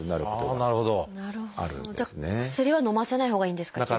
じゃあ薬はのませないほうがいいんですか？